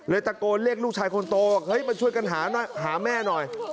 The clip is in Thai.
ตะโกนเรียกลูกชายคนโตเฮ้ยมาช่วยกันหาแม่หน่อย